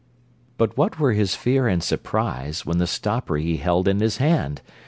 _] But what were his fear and surprise When the stopper he held in his hand!